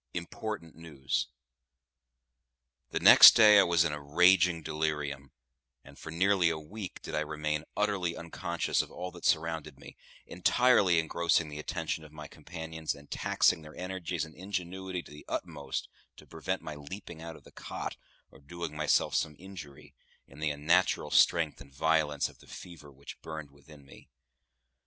IMPORTANT NEWS. The next day I was in a raging delirium, and for nearly a week did I remain utterly unconscious of all that surrounded me, entirely engrossing the attention of my companions, and taxing their energies and ingenuity to the utmost to prevent my leaping out of the cot or doing myself some injury, in the unnatural strength and violence of the fever which burned within me.